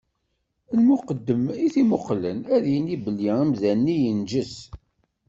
Lmuqeddem i t-imuqlen ad yini belli amdan-nni yenǧes.